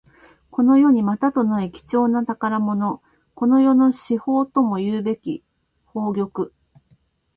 この世にまたとない貴重な宝物。この世の至宝ともいうべき宝玉。